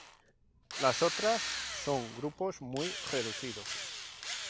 Las otras son grupos muy reducidos.